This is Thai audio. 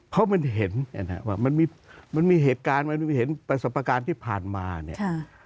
เพราะมันเห็นเนี่ยนะว่ามันมีมันมีเหตุการณ์มันมีเห็นประสบการณ์ที่ผ่านมาเนี่ย